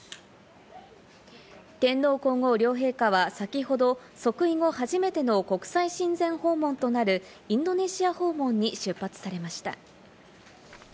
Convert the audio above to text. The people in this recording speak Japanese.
天皇皇后両陛下は先ほど即位後初めての国際親善訪問となるインドネシア訪問に出発されました。